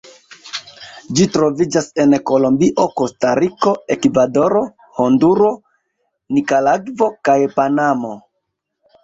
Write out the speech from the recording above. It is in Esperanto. Ĝi troviĝas en Kolombio, Kostariko, Ekvadoro, Honduro, Nikaragvo kaj Panamo.